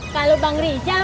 kalau bang rizal